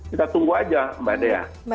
kita tunggu aja mbak dea